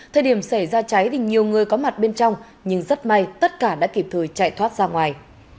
thời điểm xảy ra cháy thì nhiều người có mặt bên trong nhưng rất may tất cả đã kịp thời chạy thoát ra ngoài